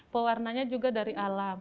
pewarnanya juga dari alam